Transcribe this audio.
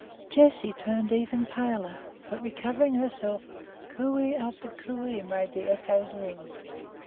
Jessie turned even paler, but recovering herself, "coo ey" after "coo ey" made the echoes ring.